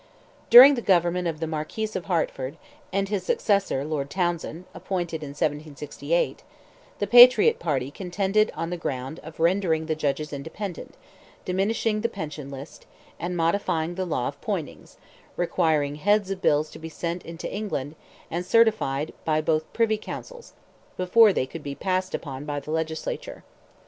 During the government of the Marquis of Hertford, and his successor, Lord Townsend (appointed in 1768), the Patriot party contended on the ground of rendering the judges independent, diminishing the pension list, and modifying the law of Poynings, requiring heads of bills to be sent into England, and certified by both Privy Councils, before they could be passed upon by the legislature.